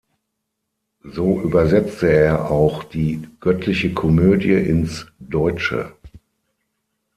So übersetzte er auch die Göttliche Komödie ins Deutsche.